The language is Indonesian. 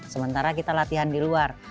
sementara kita latihan di luar